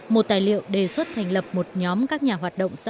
một tài liệu đề xuất thành lập một nhóm các nhà hoạt động xã hội